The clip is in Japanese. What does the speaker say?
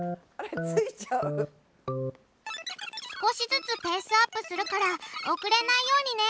少しずつペースアップするから遅れないようにね！